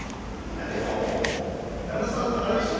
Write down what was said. でも旦那さんあれでしょ？